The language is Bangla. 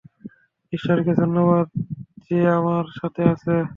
ঈশ্বরকে ধন্যবাদ যে ও আমাদের সাথে আছে!